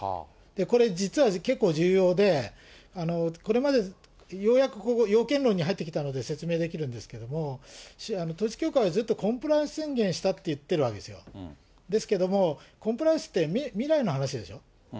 これ、実は結構重要で、これまでようやく、要件論に入ってきたので、説明できるんですけども、統一教会はずっとコンプライアンス宣言をしたって言ってるわけですけれども、ですけども、コンプライアンスって未来の話でしょ。